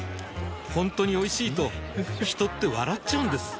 ほんとにおいしいと人って笑っちゃうんです